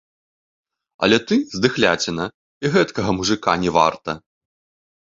Але ты, здыхляціна, і гэткага мужыка не варта!